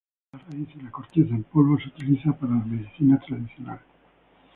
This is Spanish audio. La raíz y la corteza en polvo se utiliza para la medicina tradicional.